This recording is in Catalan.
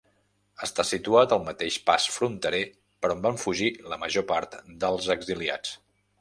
Està situat al mateix pas fronterer per on van fugir la major part dels exiliats.